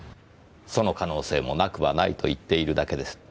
その可能性もなくはないと言っているだけです。